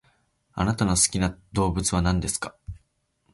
あなたの好きな動物は何ですか？